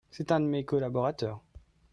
C'est un de mes collaborateurs.